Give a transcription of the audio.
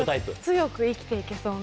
強く生きていけそうな。